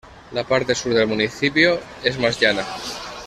La parte Sur del municipio es más llana.